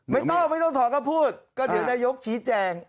ไม่ต้องไม่ต้องถอนก็พูดก็เดี๋ยวนายกชี้แจง